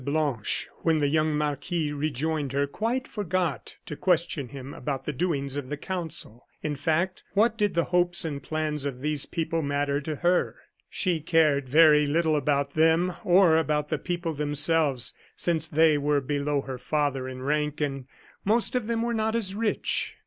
Blanche, when the young marquis rejoined her, quite forgot to question him about the doings of the council. In fact, what did the hopes and plans of these people matter to her. She cared very little about them or about the people themselves, since they were below her father in rank, and most of them were not as rich.